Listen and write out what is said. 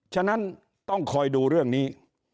ฉะนั้นต้องคอยดูเรื่องนี้